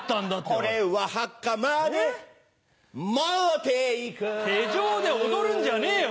これは墓まで持って行く手錠で踊るんじゃねえよ！